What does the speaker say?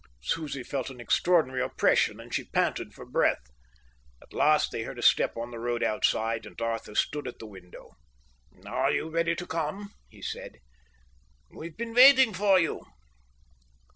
Susie felt an extraordinary oppression, and she panted for breath. At last they heard a step on the road outside, and Arthur stood at the window. "Are you ready to come?" he said. "We've been waiting for you."